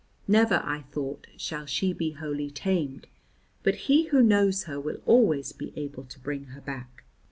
Never, I thought, shall she be wholly tamed, but he who knows her will always be able to bring her back.